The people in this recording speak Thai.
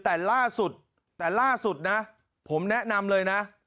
แต่ล่าสุดแต่ล่าสุดนะผมแนะนำเลยนะ